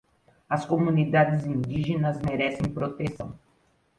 As comunidades indígenas merecem proteção